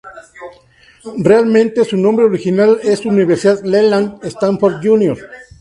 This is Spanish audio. Realmente, su nombre original es Universidad Leland Stanford Junior.